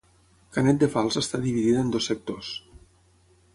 Canet de Fals està dividida en dos sectors: